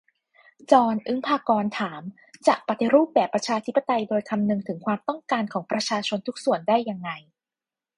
จอน อึ๊งภากรณ์ ถาม จะปฏิรูปแบบประชาธิปไตยโดยคำนึงถึงความต้องการของประชาชนทุกส่วนได้ยังไง ?